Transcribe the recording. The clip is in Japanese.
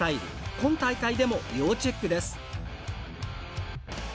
今大会でも要チェックです。